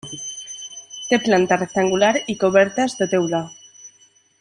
Té planta rectangular i cobertes de teula.